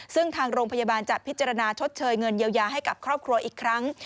ซึ่งทางโรงพยาบาลจะพิจารณาชดเชยเงินเยียวยาให้กับครอบครัวอีกครั้ง